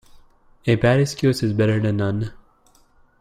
A bad excuse is better then none.